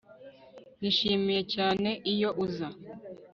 Nishimiye cyane iyo uza